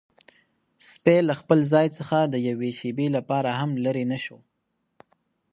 سپی له خپل ځای څخه د یوې شېبې لپاره هم لیرې نه شو.